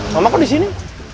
mama kok di sini